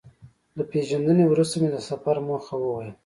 له پېژندنې وروسته مې د سفر موخه وویل.